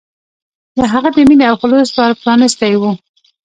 د هغه د مینې او خلوص ور پرانستی و.